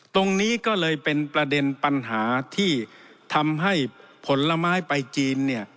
ตรงนี้ก็เลยเป็นประเด็นปัญหาที่ทำให้ผลไม้ไปจีนเนี่ย